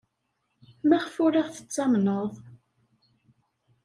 Maɣef ur aɣ-tettamneḍ?